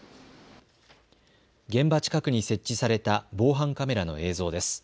現場近くに設置された防犯カメラの映像です。